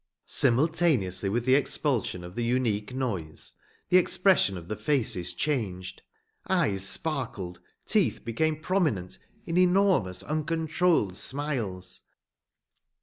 Simultaneously with the expulsion of the unique noise the expression of the faces changed. Eyes sparkled; teeth became prominent in enormous, uncontrolled smiles.